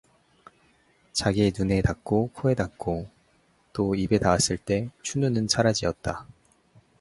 자기의 눈에 닿고 코에 닿고 또 입에 닿았을 때 춘우는 사라지었다.